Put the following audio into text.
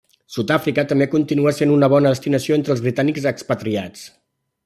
Sud-àfrica també continua sent una bona destinació entre els britànics expatriats.